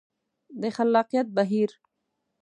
د خلاقیت بهیر